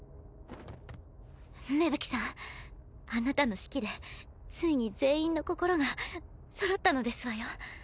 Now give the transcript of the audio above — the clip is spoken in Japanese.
芽吹さんあなたの指揮でついに全員の心がそろったのですわよ。